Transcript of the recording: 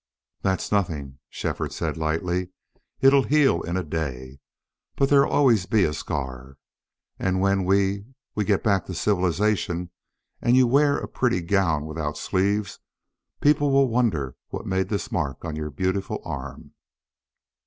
"That's nothing," Shefford said, lightly. "It'll heal in a day. But there'll always be a scar. And when we we get back to civilization, and you wear a pretty gown without sleeves, people will wonder what made this mark on your beautiful arm."